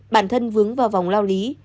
bản thân vướng vào vòng lao lý